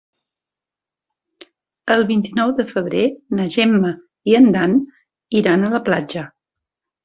El vint-i-nou de febrer na Gemma i en Dan iran a la platja.